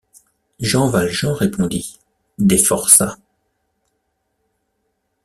Jean Valjean répondit: — Des forçats.